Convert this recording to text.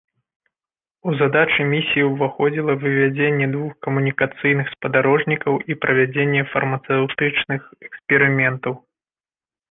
У задачы місіі ўваходзіла вывядзенне двух камунікацыйных спадарожнікаў і правядзенне фармацэўтычных эксперыментаў.